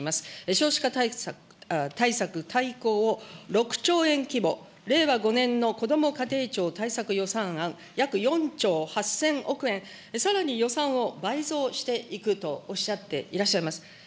少子化対策大綱を６兆円規模、令和５年のこども家庭庁対策予算案約４兆８０００億円、さらに予算を倍増していくとおっしゃっていらっしゃいます。